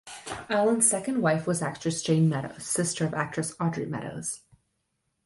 Allen's second wife was actress Jayne Meadows, sister of actress Audrey Meadows.